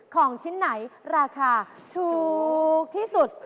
ของชิ้นไหนราคาถูกที่สุด